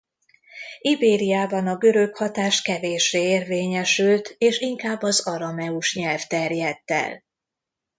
Ibériában a görög hatás kevéssé érvényesült és inkább az arameus nyelv terjedt el.